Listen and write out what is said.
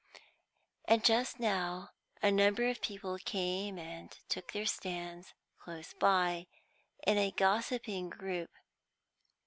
And just now a number of people came and took their stands close by, in a gossiping group.